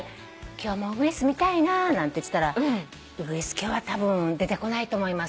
今日もウグイス見たいななんて言ってたら「ウグイス今日はたぶん出てこないと思います」